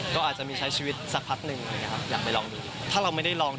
นั่นจะทำให้เราไม่ผิดหวัง